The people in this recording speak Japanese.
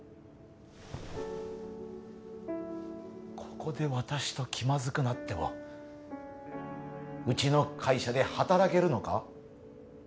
ここで私と気まずくなってもうちの会社で働けるのか？